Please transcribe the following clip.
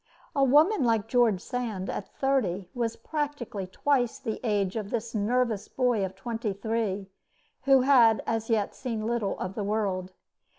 A woman like George Sand at thirty was practically twice the age of this nervous boy of twenty three, who had as yet seen little of the world.